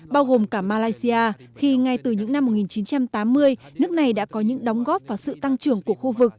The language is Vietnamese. bao gồm cả malaysia khi ngay từ những năm một nghìn chín trăm tám mươi nước này đã có những đóng góp và sự tăng trưởng của khu vực